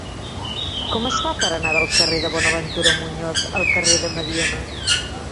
Com es fa per anar del carrer de Buenaventura Muñoz al carrer de Mediona?